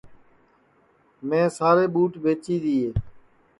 میں سارے ٻُوٹ ٻیچی دؔیئے